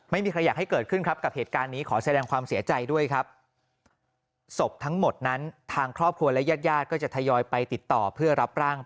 ไม่มีใครอยากให้เกิดขึ้นครับกับเหตุการณ์นี้ขอแสดงความเสียใจด้วยครับ